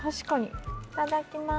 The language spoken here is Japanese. いただきます。